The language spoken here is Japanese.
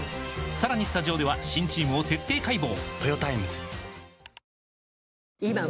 さらにスタジオでは新チームを徹底解剖！